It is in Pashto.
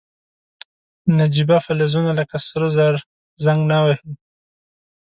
نجیبه فلزونه لکه سره زر زنګ نه وهي.